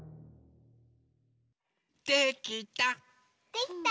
できた。